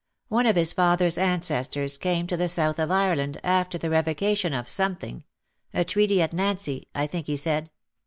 One of his father's ancestors came to the South of Ire land after the revocation of something — a treaty at Nancy — I think he said.